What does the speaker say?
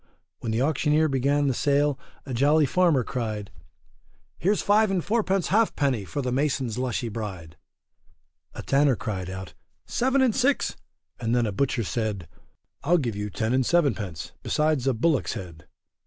When the auctioneer began the sale, a jolly farmer cried, Here's five and fourpence half penny for the mason's lushy bride; a tanner cried out seven and six, and then a butcher said, I'll give you ten and sevenpence, besides a bullock's head.